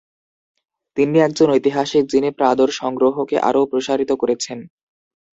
তিনি একজন ঐতিহাসিক যিনি প্রাদোর সংগ্রহকে আরও প্রসারিত করেছেন।